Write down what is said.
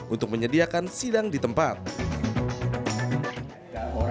untuk menangis ketakutan yang terjadi di blitar